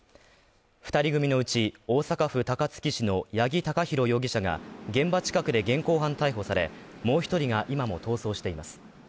２人組のうち、大阪府高槻市の八木貴寛容疑者が現場近くで現行犯逮捕され、もう１人が今も逃走しています。